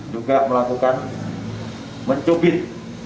juga melakukan mencubit